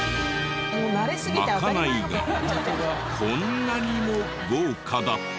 まかないがこんなにも豪華だった。